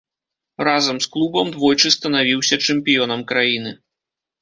Разам з клубам двойчы станавіўся чэмпіёнам краіны.